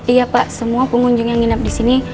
iya pak semua pengunjung yang menginap disini